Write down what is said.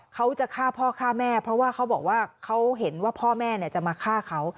เขาจะฆ่าพ่อฆ่าแม่เพราะว่าเขาบอกว่าเขาเห็นว่าพ่อแม่จะมาฆ่าเขา